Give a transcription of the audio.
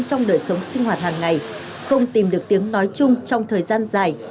trong đời sống sinh hoạt hàng ngày không tìm được tiếng nói chung trong thời gian dài